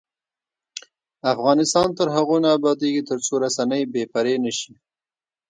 افغانستان تر هغو نه ابادیږي، ترڅو رسنۍ بې پرې نشي.